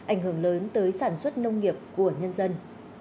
ảnh hưởng lớn tới sản xuất nông nghiệp của nhân dân